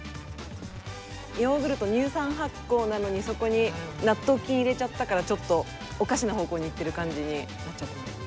ヨーグルト乳酸発酵なのにそこに納豆菌入れちゃったからちょっとおかしな方向にいってる感じになっちゃってます。